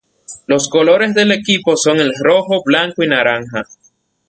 Los colores del equipo son el rojo, blanco y naranja.